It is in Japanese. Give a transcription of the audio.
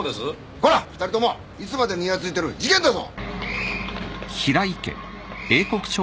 コラ２人ともいつまでニヤついてる事件だぞ！